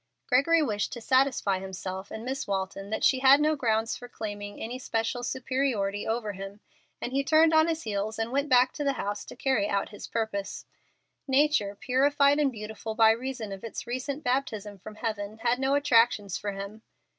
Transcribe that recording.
_" Gregory wished to satisfy himself and Miss Walton that she had no grounds for claiming any special superiority over him, and he turned on his heel and went back to the house to carry out his purpose. Nature, purified and beautiful by reason of its recent baptism from heaven, had no attractions for him.